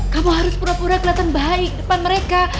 kamu harus pura pura kelihatan baik depan mereka